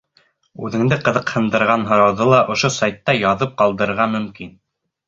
Үҙеңде ҡыҙыҡһындырған һорауҙы ла ошо сайтта яҙып ҡалдырырға мөмкин.